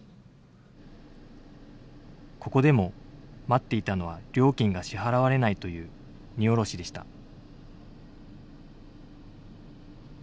ここでも待っていたのは料金が支払われないという荷下ろしでした。